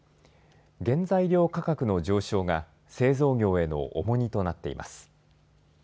原材料価格の上昇が製造業への重荷となっています。